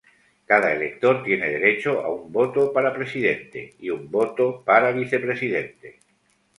Cada elector tiene derecho a un voto para presidente y un voto para vicepresidente.